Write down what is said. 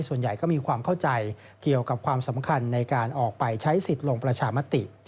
ส่วนใหญ่ก็มีความเข้าใจเกี่ยวกับความสำคัญในการออกไปใช้สิทธิ์ลงประชามติ